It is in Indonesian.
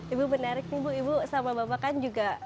ibu menarik nih bu ibu sama bapak kan juga